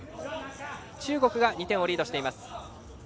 中国が２点リードしています。